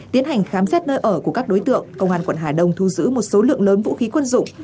tiến hành khám xét nơi ở của các đối tượng công an quận hà đông thu giữ một số lượng lớn vũ khí quân dụng